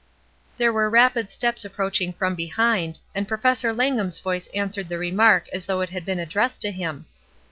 There were rapid steps approaching from behind, and Professor Langham's voice answered the remark as though it had been addressed to him.